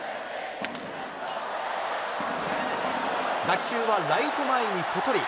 打球はライト前にぽとり。